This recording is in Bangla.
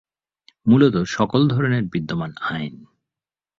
মূলত, সকল ধরনের বিদ্যমান আইন।